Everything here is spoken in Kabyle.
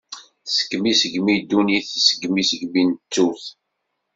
Tesgem isegmi ddunit, tesgem isegmi n ttut.